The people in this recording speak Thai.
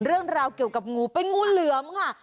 เรื่องราวเกี่ยวกับงูเป็นงูเหลือมค่ะ